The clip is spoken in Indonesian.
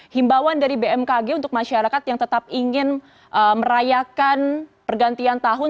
himbawan dari bmkg untuk masyarakat yang tetap ingin merayakan pergantian tahun